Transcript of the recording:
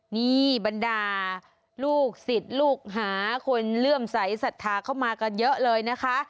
นี่บรรดาลูกศิษย์ลูกหาคนเลื่อมใสสัทธาเข้ามากันเยอะเลยนะคะ